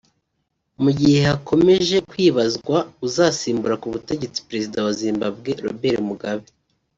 Mu gihe hakomeje kwibazwa uzasimbura ku butegetsi Perezida wa Zimbabwe Robert Mugabe